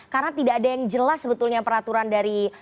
karena tidak ada yang jelas sebetulnya peraturan dari